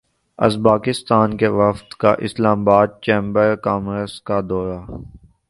Uzbekistan کے وفد کا اسلام باد چیمبر کامرس کا دورہ